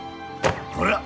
ほら！